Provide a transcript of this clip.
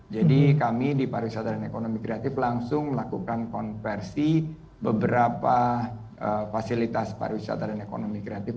jadi kami di pariwisata dan ekonomi kreatif langsung melakukan konversi beberapa fasilitas pariwisata dan ekonomi kreatif